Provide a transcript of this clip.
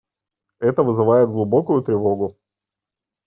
Это вызывает глубокую тревогу.